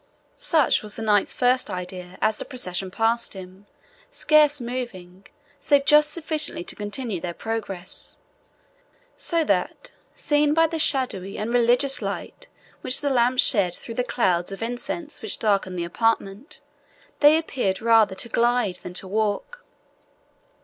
Such was the knight's first idea, as the procession passed him, scarce moving, save just sufficiently to continue their progress; so that, seen by the shadowy and religious light which the lamps shed through the clouds of incense which darkened the apartment, they appeared rather to glide than to walk.